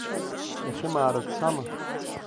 Дахьымаара дцама?